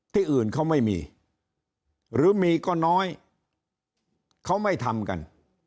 ที่อื่นเขาไม่มีหรือมีก็น้อยเขาไม่ทำกัน